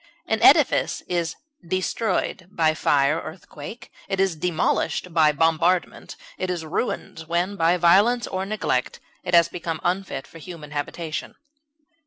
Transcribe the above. An edifice is destroyed by fire or earthquake; it is demolished by bombardment; it is ruined when, by violence or neglect, it has become unfit for human habitation.